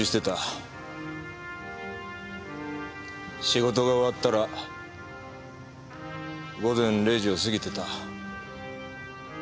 仕事が終わったら午前０時を過ぎてた。